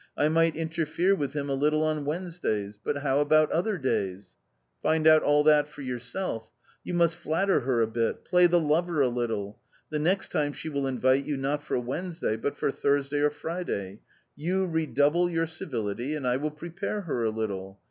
I might interfere with him a little on Wednesdays ; but how about other days ?"" Find out all that for yourself! You must flatter her a bit, play the lover a little. The next time she will invite you, not for Wednesday, but for Thursday or Friday ; you redouble your civility, and I will prepare her a little.